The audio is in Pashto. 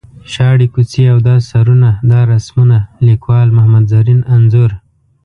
شاړې کوڅې او دا سرونه دا رسمونه ـ لیکوال محمد زرین انځور.